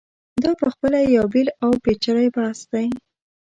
دا په خپله یو بېل او پېچلی بحث دی.